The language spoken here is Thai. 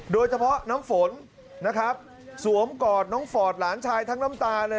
น้ำฝนนะครับสวมกอดน้องฟอร์ดหลานชายทั้งน้ำตาเลย